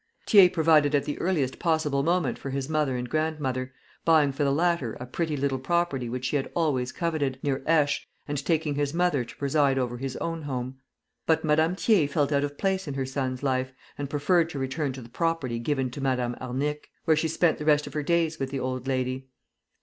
Thiers provided at the earliest possible moment for his mother and grandmother, buying for the latter a pretty little property which she had always coveted, near Aix, and taking his mother to preside over his own home. But Madame Thiers felt out of place in her son's life, and preferred to return to the property given to Madame Arnic, where she spent the rest of her days with the old lady.